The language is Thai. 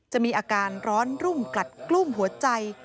จะมีอาการร้อนรุ่มกลัดกลุ้มหัวใจ